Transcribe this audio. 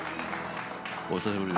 お久しぶりで。